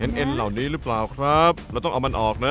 เอ็นเหล่านี้หรือเปล่าครับเราต้องเอามันออกนะ